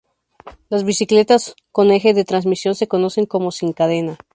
Las bicicletas con eje de transmisión se conocen como "sin cadena".